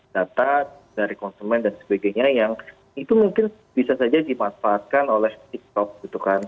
data dari konsumen dan sebagainya yang itu mungkin bisa saja dimanfaatkan oleh tiktok gitu kan